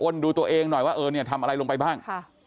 ดูตัวเองหน่อยว่าเออเนี่ยทำอะไรลงไปบ้าง